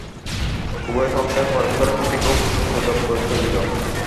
উভয় পক্ষেই পরস্পরের প্রতি খুব উপদ্রব চলিত।